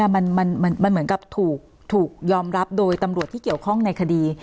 มันเหมือนกับถูกยอมรับโดยตำรวจที่เกี่ยวข้องในคดี